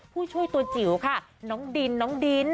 ผู้ช่วยตัวจิ๋วค่ะน้องดินน้องดิน